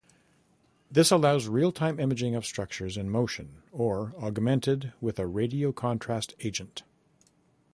This allows real-time imaging of structures in motion or augmented with a radiocontrast agent.